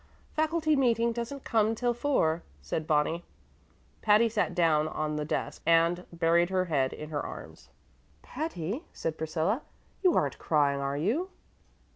"Faculty meeting doesn't come till four," said Bonnie. Patty sat down by the desk and buried her head in her arms. "Patty," said Priscilla, "you aren't crying, are you?"